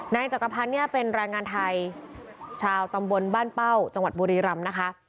นายจักรพันธ์เนี่ยเป็นแรงงานไทยชาวตำบลบ้านเป้าจังหวัดบุรีรำนะคะ